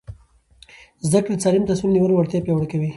زده کړه د سالم تصمیم نیولو وړتیا پیاوړې کوي.